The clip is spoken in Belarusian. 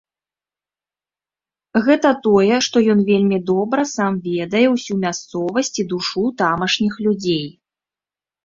Гэта тое, што ён вельмі добра сам ведае ўсю мясцовасць і душу тамашніх людзей.